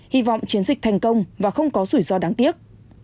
hy vọng chiến dịch thành công và không có rủi ro đáng tiếc